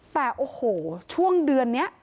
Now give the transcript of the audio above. แต่โอ้โหช่วงเดือนนี้